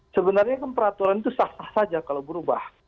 sebenarnya kan peraturan itu sah sah saja kalau berubah